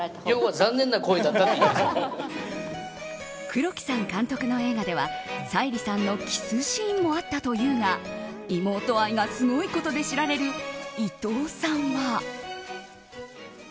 黒木さん監督の映画では沙莉さんのキスシーンもあったというが、妹愛がすごいことで知られる伊藤さんは。